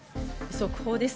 速報です。